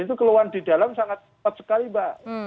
dan itu keluhan di dalam sangat cepat sekali mbak